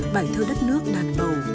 bài thơ đất nước đàn bầu